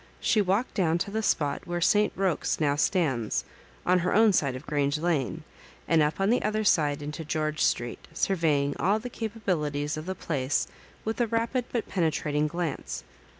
She walked down to the spot where St Boque's now stands, on her own side of Grange Lane,, and up on the other side into Greorge Street, surveying all the capabilities of the place with a rapid but penetrating glance.